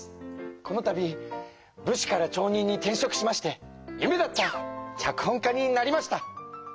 このたび武士から町人に転職しまして夢だった脚本家になりました。